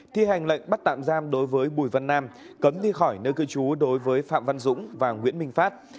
thi hành lệnh bắt tạm giam đối với bùi văn nam cấm đi khỏi nơi cư trú đối với phạm văn dũng và nguyễn minh phát